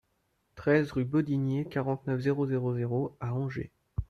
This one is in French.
treize rue Bodinier, quarante-neuf, zéro zéro zéro à Angers